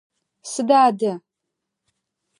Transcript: Сыда адэ?